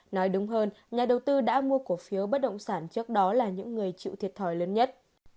nói đúng hơn nhà đầu tư đã mua cổ phiếu bất động sản trước đó là những người chịu thiệt thòi lớn nhất